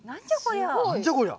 何じゃこりゃ。